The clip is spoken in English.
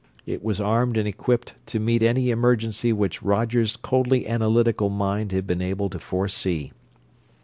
It was armed and equipped to meet any emergency which Roger's coldly analytical mind had been able to foresee.